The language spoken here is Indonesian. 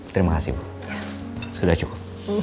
terima kasih sudah cukup